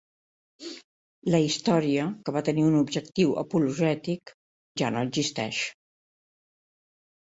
La història, que va tenir un objectiu apologètic, ja no existeix.